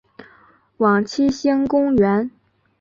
往七星公园